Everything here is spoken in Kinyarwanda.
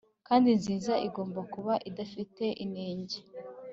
Kandi nziza Igomba kuba idafite inenge